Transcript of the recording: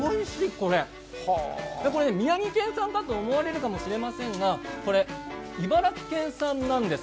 これ、宮城県産かと思われるかもしれませんがこれ、茨城県産なんです。